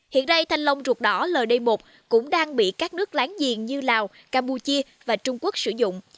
hiện nay thanh long ruột đỏ ld một cũng đang bị các nước láng giềng như lào campuchia và trung quốc sử dụng